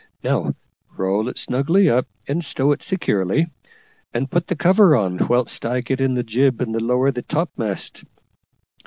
Now roll it snugly up, and stow it securely, and put the cover on, whilst I get in the jib and lower the topmast.